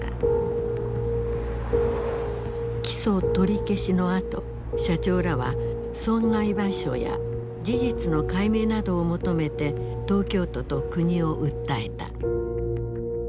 起訴取り消しのあと社長らは損害賠償や事実の解明などを求めて東京都と国を訴えた。